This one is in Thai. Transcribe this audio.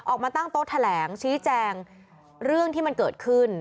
ออกมาตั้งโต๊ะแถลงชี้แจงเรื่องที่มันเกิดขึ้น